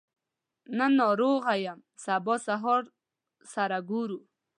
نن ناروغه يم سبا سهار سره ګورو